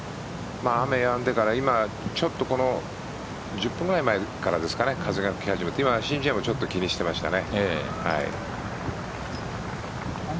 雨が止んでから、ちょっと１０分ぐらい前からですね風が吹き始めて申ジエも気にしてましたね。